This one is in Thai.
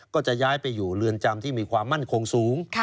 ก็จะย้ายไปอยู่เรือนจำที่มีความมั่นคงสูง